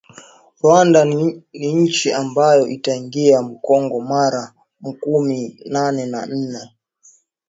Rwanda ni inchi ambayo itaingia mu kongo mara makumi nane na ine